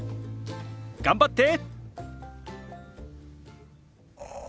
頑張って！